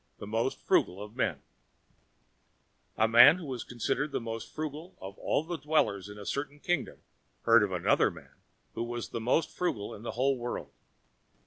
The Most Frugal of Men A man who was considered the most frugal of all the dwellers in a certain kingdom heard of another man who was the most frugal in the whole world.